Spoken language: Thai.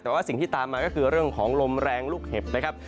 แต่ว่าสิ่งที่ตามมาก็คือเรื่องของลมแรงลูกเห็บนะครับ